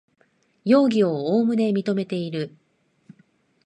容疑をおおむね認めている